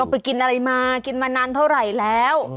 ไปกินอะไรมากินมานานเท่าไหร่แล้ว